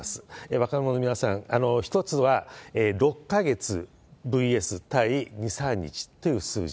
若者の皆さん、一つは、６か月、ＶＳたい２、３日という数字。